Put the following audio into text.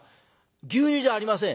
「牛乳じゃありません」。